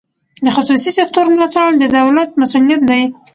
د خصوصي سکتور ملاتړ د دولت مسوولیت دی.